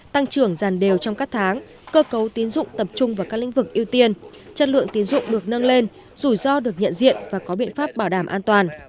tăng trưởng giàn đều trong các tháng cơ cấu tín dụng tập trung vào các lĩnh vực ưu tiên chất lượng tiến dụng được nâng lên rủi ro được nhận diện và có biện pháp bảo đảm an toàn